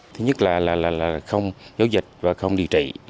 thứ nhất là không giấu dịch và không điều trị